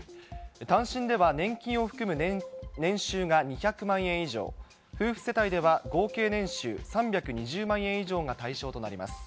単身では年金を含む年収が２００万円以上、夫婦世帯では合計年収３２０万円以上が対象となります。